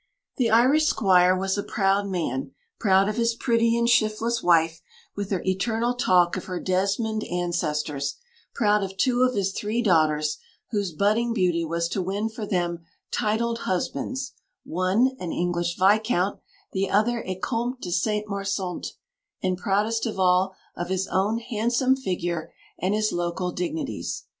The Irish squire was a proud man proud of his pretty and shiftless wife, with her eternal talk of her Desmond ancestors; proud of two of his three daughters, whose budding beauty was to win for them titled husbands one an English Viscount, the other a Comte de St Marsante; and proudest of all of his own handsome figure and his local dignities.